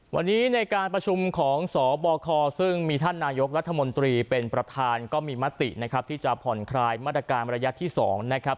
วันนี้ในการประชุมของสบคซึ่งมีท่านนายกรัฐมนตรีเป็นประธานก็มีมตินะครับที่จะผ่อนคลายมาตรการระยะที่๒นะครับ